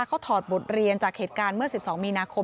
เขาถอดบทเรียนจากเหตุการณ์เมื่อ๑๒มีนาคม